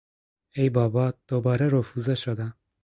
ای بابا، دوباره رفوزه شدم!